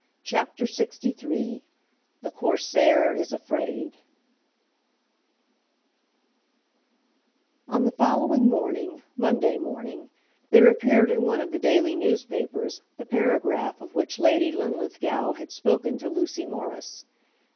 CHAPTER LXIII The Corsair Is Afraid On the following morning, Monday morning, there appeared in one of the daily newspapers the paragraph of which Lady Linlithgow had spoken to Lucy Morris.